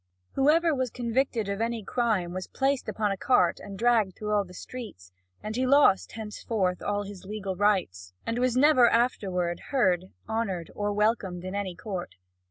Whoever was convicted of any crime was placed upon a cart and dragged through all the streets, and he lost henceforth all his legal rights, and was never afterward heard, honoured, or welcomed in any court.